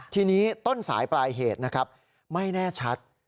ทีนี้ต้นสายปลายเหตุนะครับไม่แน่ชัด